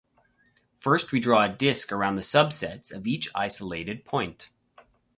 First, we draw a disc around the subsets of each isolated point.